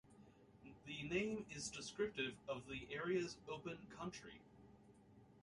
The name is descriptive of the area's open country.